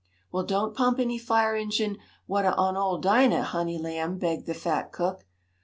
"Well, don't pump any fire engine watah on ole Dinah, honey lamb!" begged the fat cook.